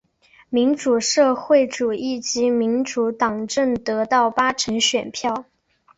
民主社会主义及民主政党得到八成选票。